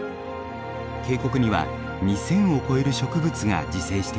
渓谷には２，０００を超える植物が自生しています。